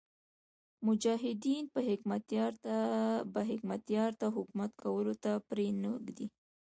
مجاهدین به حکمتیار ته حکومت کولو ته پرې نه ږدي.